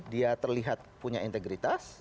dia terlihat punya integritas